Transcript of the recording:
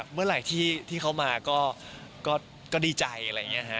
เมื่อไหร่ที่เขามาก็ดีใจอะไรอย่างนี้ฮะ